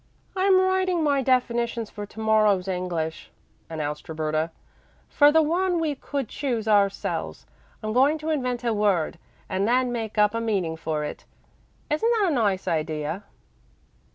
"I'm writing my definitions for to morrow's English," announced Roberta. "For the one we could choose ourselves I'm going to invent a word and then make up a meaning for it. Isn't that a nice idea?"